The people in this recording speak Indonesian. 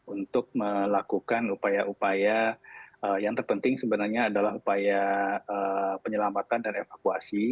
untuk melakukan upaya upaya yang terpenting sebenarnya adalah upaya penyelamatan dan evakuasi